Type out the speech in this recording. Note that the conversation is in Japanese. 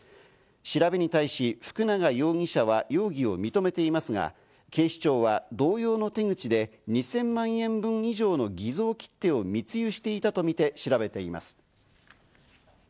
調べに対し福永容疑者は容疑を認めていますが、警視庁は同様の手口で２０００万円分以上の偽造切手を密輸していたとみて調べています。